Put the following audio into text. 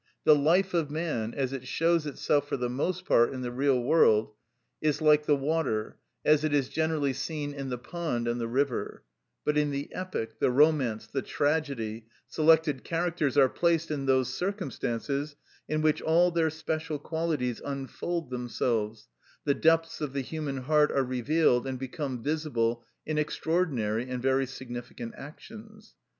The life of man, as it shows itself for the most part in the real world, is like the water, as it is generally seen in the pond and the river; but in the epic, the romance, the tragedy, selected characters are placed in those circumstances in which all their special qualities unfold themselves, the depths of the human heart are revealed, and become visible in extraordinary and very significant actions.